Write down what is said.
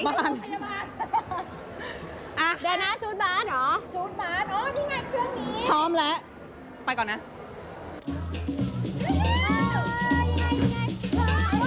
กลับมาอ่ะ